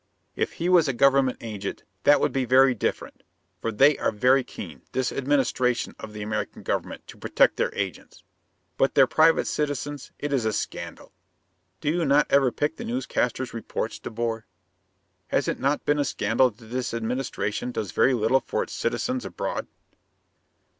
If he was a government agent, that would be very different, for they are very keen, this administration of the American government, to protect their agents. But their private citizens it is a scandal! Do you not ever pick the newscasters' reports, De Boer? Has it not been a scandal that this administration does very little for its citizens abroad?"